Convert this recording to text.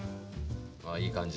あいい感じ。